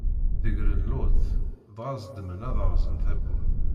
Deggren Luṭ, dɣa ẓedmen ad rẓen tabburt.